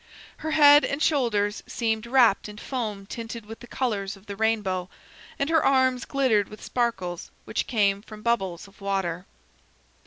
Her head and shoulders seemed wrapped in foam tinted with the colors of the rainbow, and her arms glittered with sparkles which came from bubbles of water.